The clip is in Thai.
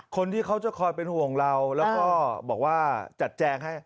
คนที่เขาจะคอยเป็นห่วงเราแล้วก็บอกว่าจัดแจงให้